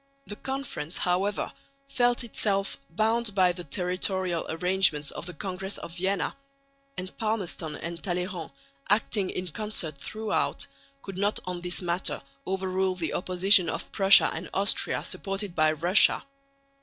The Conference however felt itself bound by the territorial arrangements of the Congress of Vienna; and Palmerston and Talleyrand, acting in concert throughout, could not on this matter overrule the opposition of Prussia and Austria supported by Russia.